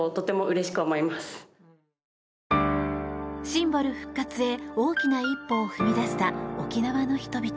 シンボル復活へ大きな一歩を踏み出した沖縄の人々。